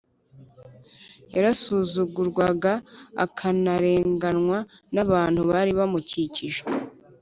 Yarasuzugurwaga akanarenganywa n’abantu bari bamukikije.